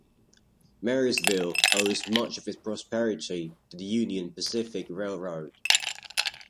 Marysville owes much of its prosperity to the Union Pacific Railroad.